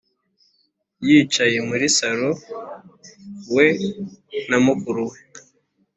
yicaye muri salo we na mukuru we